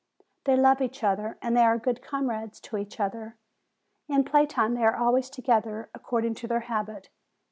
They love each other, and 158 FEBRUARY are good comrades to each other. In play time they are always together, according to their habit.